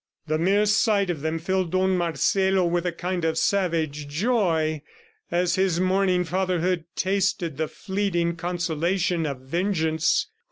The mere sight of them filled Don Marcelo with a kind of savage joy, as his mourning fatherhood tasted the fleeting consolation of vengeance.